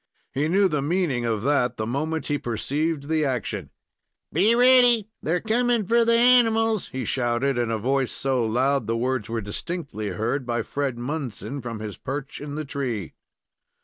He knew the meaning of that the moment he perceived the action. "Be ready! they're coming for the animals!" he shouted, in a voice so loud that the words were distinctly heard by Fred Munson from his perch in the tree.